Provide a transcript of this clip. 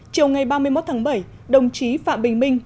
chiều ngày ba mươi một tháng bảy đồng chí phạm bình minh